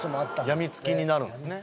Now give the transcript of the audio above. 病みつきになるんすね